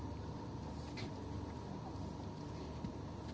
sudah ada mri sudah ada cat lab